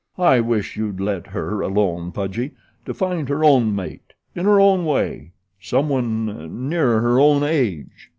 I wish you'd let her alone, Pudgy, to find her own mate in her own way someone nearer her own age."